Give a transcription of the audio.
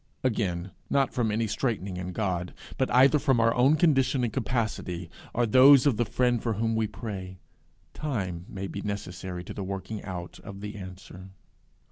Again, not from any straitening in God, but either from our own condition and capacity, or those of the friend for whom we pray, time may be necessary to the working out of the answer.